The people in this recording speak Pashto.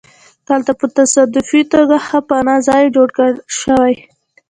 دلته په تصادفي توګه ښه پناه ځای جوړ شوی دی